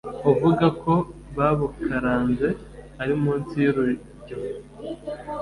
uvuga ko babukaranze ari munsi y'urujyo